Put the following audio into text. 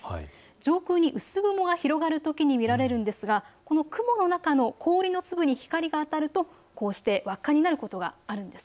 上空に薄雲が広がるときに見られるんですがこの雲の中の氷の粒に光が当たるとこうして輪っかになることがあるんです。